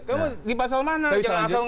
kamu di pasal mana